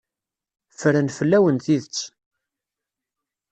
Ffren fell-awen tidet.